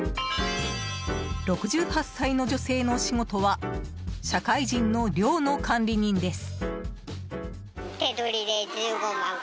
６８歳の女性のお仕事は社会人の寮の管理人です。